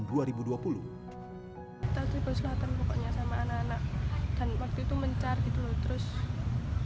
kita tribu selatan pokoknya sama anak anak dan waktu itu mencar gitu loh terus